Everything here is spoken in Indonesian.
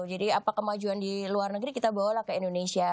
jadi apa kemajuan di luar negeri kita bawalah ke indonesia